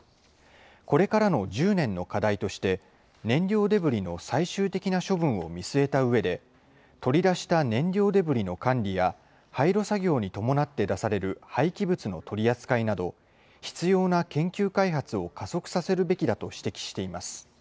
これからの１０年の課題として、燃料デブリの最終的な処分を見据えたうえで、取り出した燃料デブリの管理や廃炉作業に伴って出される廃棄物の取り扱いなど、必要な研究開発を加速させるべきだと指摘しています。